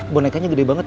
bolekanya gede banget